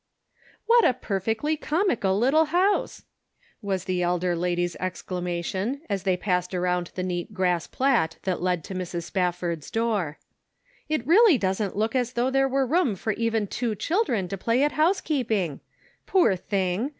" What a perfectly comical little house !" was the elder lady's exclamation as they passed around the neat grass plat that led to Mrs. Spafford's door. " It really doesn't look as though there were room for even two children to play at housekeeping. Poor thing!